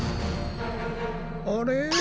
あれ？